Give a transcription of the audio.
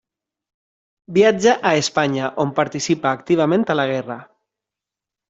Viatja a Espanya, on participa activament a la guerra.